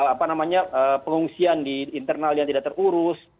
apa namanya pengungsian di internal yang tidak terurus